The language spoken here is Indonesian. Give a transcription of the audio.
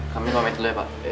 kami komit dulu ya pak